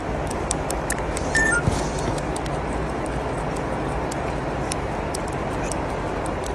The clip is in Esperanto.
Nuntempe multe laboras en Budapeŝto.